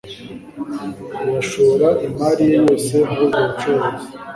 Yashora imari ye yose muri ubwo bucuruzi